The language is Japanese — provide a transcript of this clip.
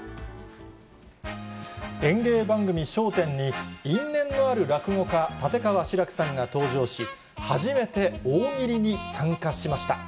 演芸番組、笑点に因縁のある落語家、立川志らくさんが登場し、初めて大喜利に参加しました。